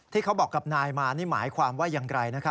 ที่เขาบอกกับนายมานี่หมายความว่าอย่างไร